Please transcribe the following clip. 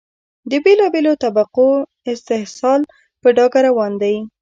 د بېلا بېلو طبقو استحصال په ډاګه روان دی.